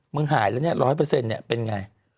มึงหายแล้วเนี่ย๑๐๐เป็นอย่างไร